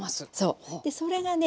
それがね